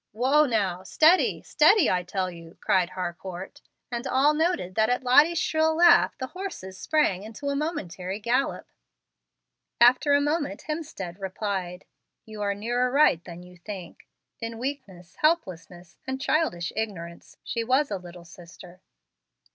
"Whoa now, steady, steady, I tell you," cried Harcourt; and all noted that at Lottie's shrill laugh the horses sprang into a momentary gallop. After a moment Hemstead replied, "You are nearer right than you think. In weakness, helplessness, and childish ignorance, she was a little sister."